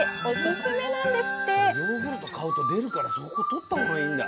スタジオヨーグルト買うと出るからそこ取った方がいいんだ。